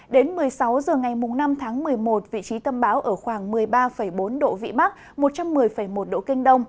đến một mươi sáu h ngày năm tháng một mươi một vị trí tâm bão ở khoảng một mươi ba bốn độ vĩ bắc một trăm một mươi một độ kinh đông